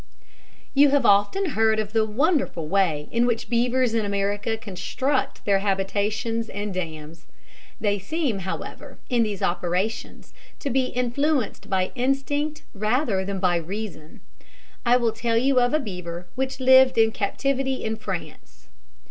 You have often heard of the wonderful way in which beavers in America construct their habitations and dams. They seem, however, in these operations, to be influenced by instinct rather than by reason. I will tell you of a beaver which lived in captivity in France.